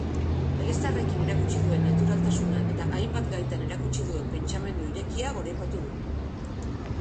Eliztarrekin erakutsi duen naturaltasuna eta hainbat gaitan erakutsi duen pentsamendu irekia goraipatu du.